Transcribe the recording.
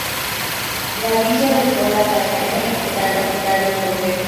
La villa de Pola de Allande es la capital del concejo.